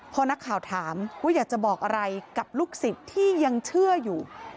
พอนักข่าวถามว่าอยากจะบอกอะไรกับลูกศิษย์ที่ยังเชื่ออยู่